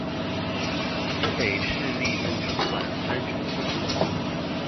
新北市立圖書館三重分館